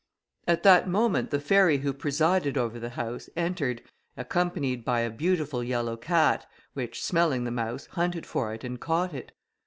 At that moment the fairy who presided over the house, entered, accompanied by a beautiful yellow cat, which, smelling the mouse, hunted for it and caught it.